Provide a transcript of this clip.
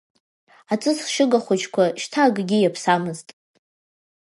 Аҵысшьыга хәыҷқәа шьҭа акгьы иаԥсамызт.